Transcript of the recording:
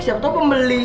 siapa tau pembeli